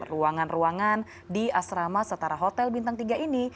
ruangan ruangan di asrama setara hotel bintang tiga ini